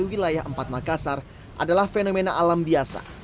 wilayah empat makassar adalah fenomena alam biasa